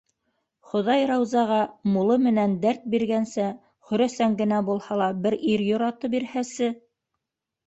Хоҙай Раузаға мулы менән дәрт биргәнсә, хөрәсән генә булһа ла бер ир йораты бирһәсе!